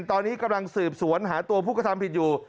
ตอนนี้กำลังสืบสวนหาตัวผู้กระทำผิดอยู่